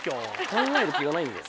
考える気がないんだよ。